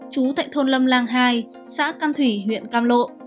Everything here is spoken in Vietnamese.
chú tại thôn lâm lang hai xã cam thủy huyện cam lộ